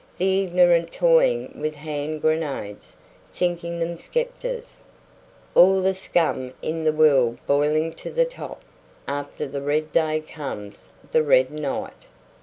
The ignorant toying with hand grenades, thinking them sceptres. All the scum in the world boiling to the top. After the Red Day comes the Red Night."